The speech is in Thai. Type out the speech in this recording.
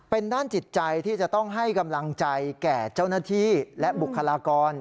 เป็นด้านจิตใจที่จะต้องให้กำลังใจแก่เจ้าหน้าที่และบุคลากร